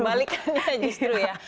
kebalikannya justru ya